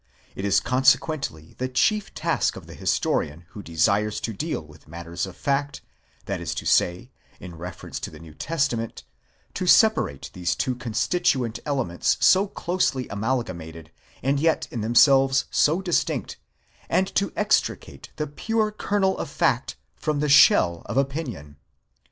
It is consequently the chief task of the historian who desires to deal with matters of fact, that is to say, in reference to the New Testament, to separate these two constituent elements so closely amalgamated, and yet in themselves so distinct; and to extricate the pure kernel of fact from the shell of opinion.